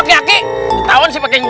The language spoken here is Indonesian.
aki aki ketahuan sih pakai